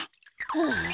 はあ。